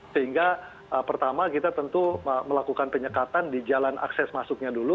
sehingga pertama kita tentu melakukan penyekatan di jalan akses masuknya dulu